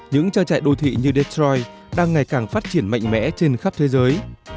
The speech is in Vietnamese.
những trang trại đô thị như detroit đang ngày càng phát triển mạnh mẽ trên khắp thế giới